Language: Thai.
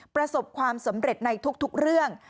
ประสบความสำเร็จในทุกเรื่อง